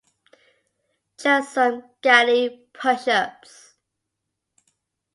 Just some Galley Push-Ups.